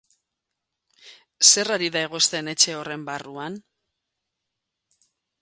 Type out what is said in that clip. Zer ari da egosten etxe horren barruan?